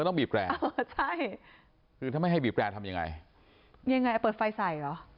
ใช่คือถ้าไม่ให้บีบแปรทำยังไงยังไงเปิดไฟใส่เหรอ